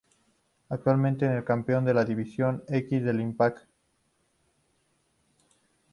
Actualmente es el Campeón de la División X de Impact.